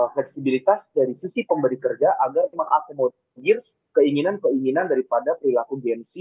fleksibilitas dari sisi pemberi kerja agar mengakomodir keinginan keinginan daripada perilaku gengsi